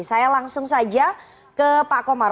saya langsung saja ke pak komar